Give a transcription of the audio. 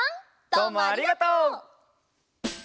どうもありがとう！